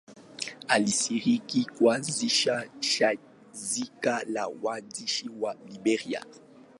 Alishiriki kuanzisha shirika la waandishi wa Liberia.